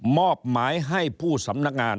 มอบหมายให้ผู้สำนักงาน